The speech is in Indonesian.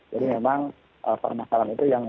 jadi memang permasalahan itu yang